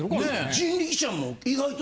人力舎も意外と。